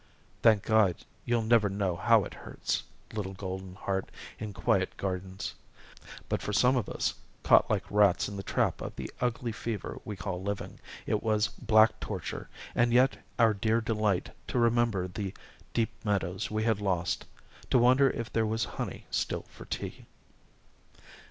"Thank God you'll never know how it hurts, little Golden Heart in quiet gardens. But for some of us, caught like rats in the trap of the ugly fever we called living, it was black torture and yet our dear delight to remember the deep meadows we had lost to wonder if there was honey still for tea."